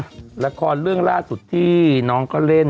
อ่ะรายการเรื่องราศุทธิน้องก็เล่น